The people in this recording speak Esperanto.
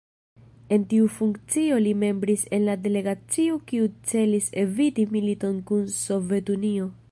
En tiu funkcio li membris en la delegacio kiu celis eviti militon kun Sovetunio.